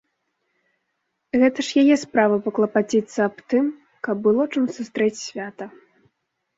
Гэта ж яе справа паклапаціцца аб тым, каб было чым сустрэць свята.